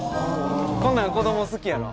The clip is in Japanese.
こんなん子供好きやろ？